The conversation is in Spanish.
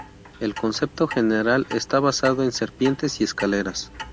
El concepto general está basado en Serpientes y escaleras.